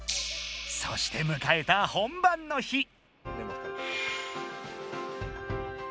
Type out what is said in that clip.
そしてむかえた本番の日。